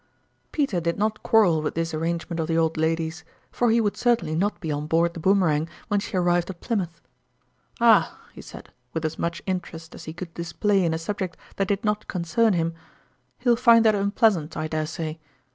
" Peter did not quarrel with this arrange ment of the old lady's, for he would certainly not be on board the Boomerang when she ar rived at Plymouth. " Ah !" he said, with as much interest as he could display in a subject that did not con cern him, " he'll find that unpleasant, I dare say."